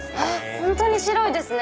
本当に白いですね！